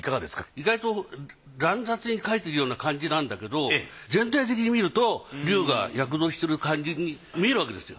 意外と乱雑に描いてるような感じなんだけど全体的に見ると龍が躍動してる感じに見えるわけですよ。